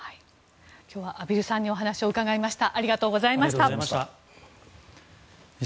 今日は畔蒜さんにお話を伺いました。